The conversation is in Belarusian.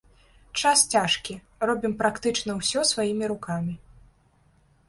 Час цяжкі, робім практычна ўсё сваімі рукамі.